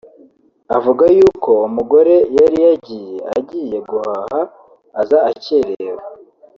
avuga y’ uko umugore yari yagiye agiye guhaha aza akerewe